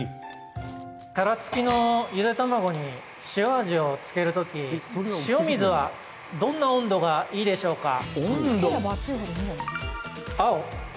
殻付きのゆで卵に塩味を付ける時塩水はどんな温度がいいでしょうか？